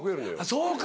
そうか。